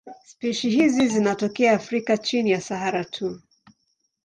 Spishi hizi zinatokea Afrika chini ya Sahara tu.